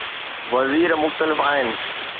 وزير مختلف آهن.